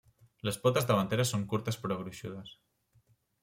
Les potes davanteres són curtes però gruixudes.